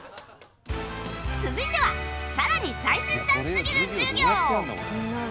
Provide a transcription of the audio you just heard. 続いてはさらに最先端すぎる授業